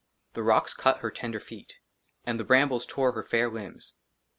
THE ROCKS CUT HER TENDER FEET, AND THE BRAMBLES TORE HER FAIR LIMBS.